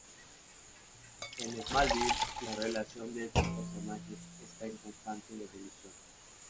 En Smallville, la relación de estos personajes está en constante evolución.